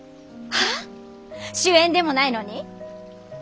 主演でもないのに？